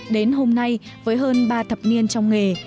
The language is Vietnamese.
đến hôm nay với hơn ba thập niên trong nghề